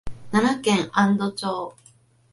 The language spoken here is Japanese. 奈良県安堵町